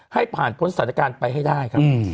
ให้ผ่านพ้นสถานการณ์ไปให้ได้ครับ